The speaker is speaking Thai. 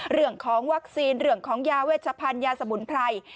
เรื่องของวัคซีนเรื่องของยาเวชพันธ์ยาสมุนไพร